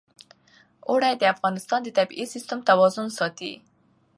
اوړي د افغانستان د طبعي سیسټم توازن ساتي.